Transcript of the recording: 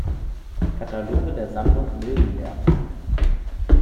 Kataloge der Sammlung Mildenberg